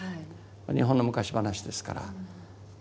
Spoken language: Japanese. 日本の昔話ですから。